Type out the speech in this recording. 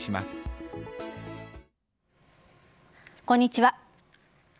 こんにちは。